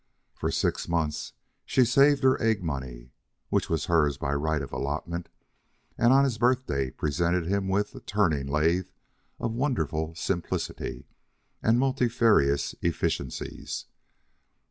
For six months she saved her egg money, which was hers by right of allotment, and on his birthday presented him with a turning lathe of wonderful simplicity and multifarious efficiencies.